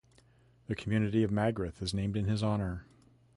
The community of Magrath is named in his honour.